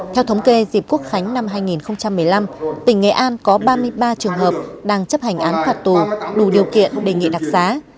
theo thống kê dịp quốc khánh năm hai nghìn một mươi năm tỉnh nghệ an có ba mươi ba trường hợp đang chấp hành án phạt tù đủ điều kiện đề nghị đặc xá